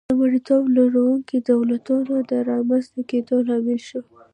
د مریتوب لرونکو دولتونو د رامنځته کېدا لامل شوه.